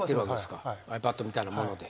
ｉＰａｄみたいなもので。